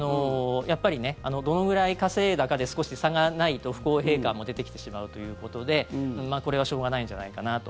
やっぱりどのくらい稼いだかで少し差がないと不公平感も出てきてしまうということでこれはしょうがないんじゃないかなと。